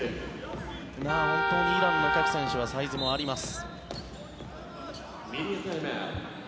イランの各選手はサイズもあります。